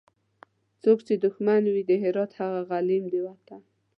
څوک چي دښمن وي د هرات هغه غلیم د وطن